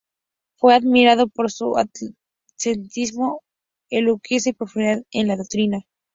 Fue admirado por su ascetismo, elocuencia y profundidad en la doctrina.